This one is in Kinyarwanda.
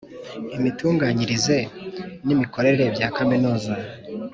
imitunganyirize n imikorere bya Kaminuza